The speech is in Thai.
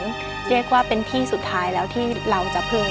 เรียกว่าเป็นที่สุดท้ายแล้วที่เราจะเพลิง